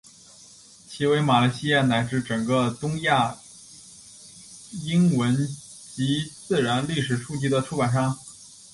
其为马来西亚乃至整个东南亚英文及自然历史书籍的出版商。